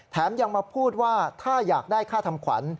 ยังมาพูดว่าถ้าอยากได้ค่าทำขวัญ